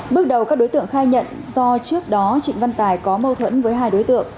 bước đầu các đối tượng khai nhận do trước đó trịnh văn tài có mâu thuẫn với hai đối tượng